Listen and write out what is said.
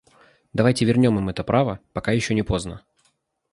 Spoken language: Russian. Давайте вернем им это право, пока еще не поздно!